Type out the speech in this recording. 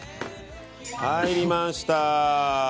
入りました！